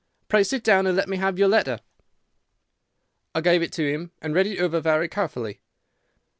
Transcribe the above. Pray sit down, and let me have your letter.' "I gave it to him, and he read it over very carefully.